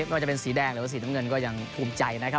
ว่าจะเป็นสีแดงหรือว่าสีน้ำเงินก็ยังภูมิใจนะครับ